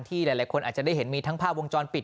หลายคนอาจจะได้เห็นมีทั้งภาพวงจรปิด